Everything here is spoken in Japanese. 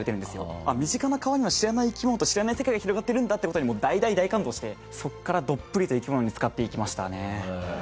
身近な川にも知らない生き物と知らない世界が広がってるんだっていう事にもう大大大感動してそこからどっぷりと生き物につかっていきましたね。